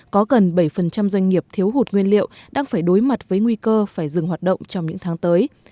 có gần bảy doanh nghiệp thiếu hụt nguyên liệu đang phải đối mặt với nguy cơ phải dừng hoạt động trong những tháng tới